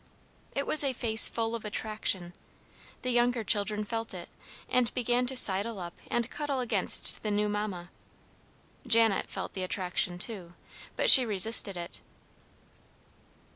It was a face full of attraction; the younger children felt it, and began to sidle up and cuddle against the new mamma. Janet felt the attraction, too, but she resisted it.